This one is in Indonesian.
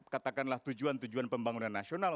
katakanlah tujuan tujuan pembangunan nasional